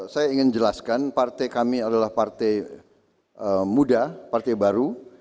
saya ingin jelaskan partai kami adalah partai muda partai baru